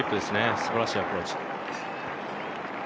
すばらしいアプローチ。